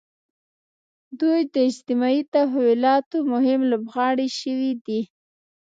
دوی د اجتماعي تحولاتو مهم لوبغاړي شوي دي.